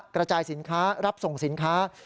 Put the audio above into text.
กระจายสินค้ารับส่งสินค้า